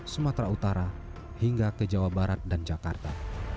sumatera utara hingga ke jawa barat dan jakarta